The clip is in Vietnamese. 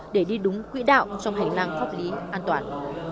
để đi đúng quỹ đạo trong hành lang pháp lý an toàn